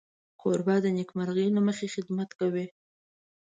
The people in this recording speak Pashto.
کوربه د نېکمرغۍ له مخې خدمت کوي.